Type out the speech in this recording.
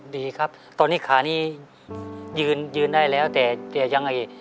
ดีครับตอนนี้ขานี้ยืนได้แล้วแต่ยังไง